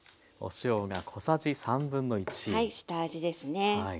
下味ですね。